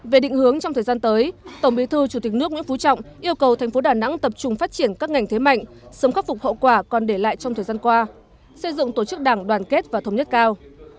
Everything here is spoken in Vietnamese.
về định hướng trong thời gian tới tổng bí thư chủ tịch nước nguyễn phú trọng yêu cầu thành phố đà nẵng tập trung phát triển các ngành thế mạnh sớm khắc phục hậu quả còn để lại trong thời gian qua xây dựng tổ chức đảng đoàn kết và thống nhất cao